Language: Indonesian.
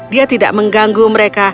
dia tidak mengganggu mereka